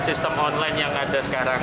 sistem online yang ada sekarang